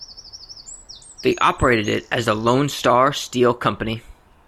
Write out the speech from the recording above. They operated it as the Lone Star Steel Company.